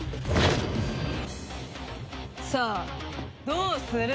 さあどうする？